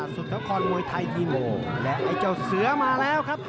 สุดละครมวยไทยยีโมและไอ้เจ้าเสือมาแล้วครับ